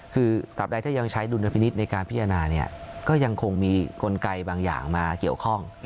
คือตราบใดถ้ายังใช้ดุลพินิษฐ์ในการพิจารณาก็ยังคงมีกลไกบางอย่างมาเกี่ยวข้อง